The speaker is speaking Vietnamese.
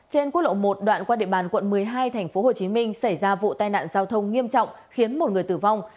trên quốc lộ một đoạn qua địa bàn quận một mươi hai tp hcm xảy ra vụ tai nạn giao thông nghiêm trọng khiến một người tử vong